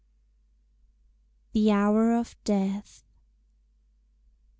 THE HOUR OF DEATH.